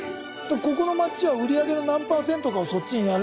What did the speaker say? ここの町は売り上げの何％かをそっちにやる。